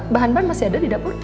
bahan bahan masih ada di dapur